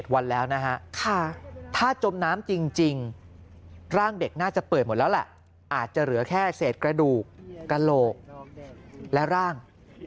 วันแล้วนะฮะถ้าจมน้ำจริงร่างเด็กน่าจะเปื่อยหมดแล้วแหละอาจจะเหลือแค่เศษกระดูกกระโหลกและร่าง